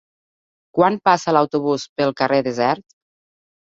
Quan passa l'autobús pel carrer Desert?